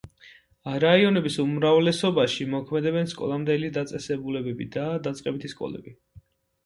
რაიონების უმრავლესობაში მოქმედებენ სკოლამდელი დაწესებულებები და დაწყებითი სკოლები.